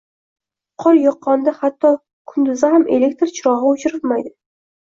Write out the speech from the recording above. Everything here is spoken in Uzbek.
Qor yoqqanda hatto kunduzi ham elektr chirog`i o`chirilmaydi